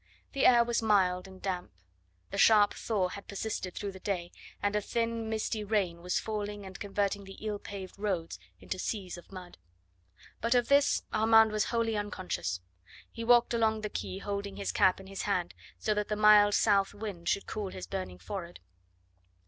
The air was mild and damp. The sharp thaw had persisted through the day, and a thin, misty rain was falling and converting the ill paved roads into seas of mud. But of this Armand was wholly unconscious. He walked along the quay holding his cap in his hand, so that the mild south wind should cool his burning forehead.